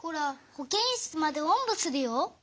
ほけんしつまでおんぶするよ？